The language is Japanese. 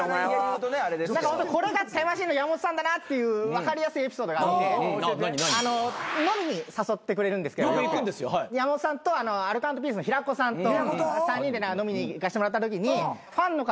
何かホントこれがタイムマシーンの山本さんだなっていう分かりやすいエピソードがあって飲みに誘ってくれるんですけど山本さんとアルコ＆ピースの平子さんと３人で飲みに行かせてもらったときにファンの方が話し掛けてくださった。